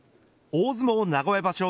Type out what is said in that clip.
大相撲名古屋場所